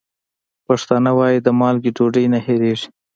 پښتانه وايي: د مالګې ډوډۍ نه هېرېږي.